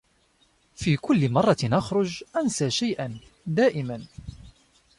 في كلّ مرّة أخرج، أنسى شيئا. دائما!